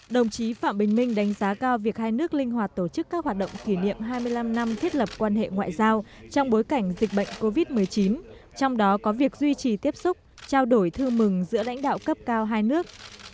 đồng chí phạm bình minh đánh giá cao việc hai nước linh hoạt tổ chức các hoạt động kỷ niệm hai mươi năm năm thiết lập quan hệ ngoại giao trong bối cảnh dịch bệnh covid một mươi chín trong đó có việc duy trì tiếp xúc trao đổi thư mừng giữa lãnh đạo cấp cao hai nước